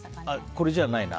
これじゃないな。